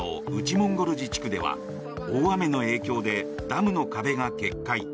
モンゴル自治区では大雨の影響でダムの壁が決壊。